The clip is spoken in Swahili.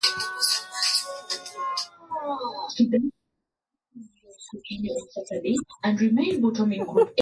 yaliyopatikana katika historia ya Kanisa baadhi katika bara hilo baadhi